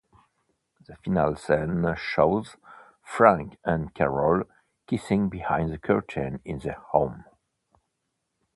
The final scene shows Frank and Carol kissing behind the curtain in their home.